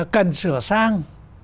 cần sửa sang